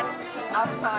terima kasih damaris